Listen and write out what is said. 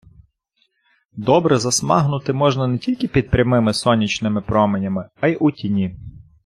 Добре засмагнути можна не тільки під прямими сонячними променями, а й у тіні.